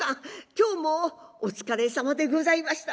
今日もお疲れさまでございました。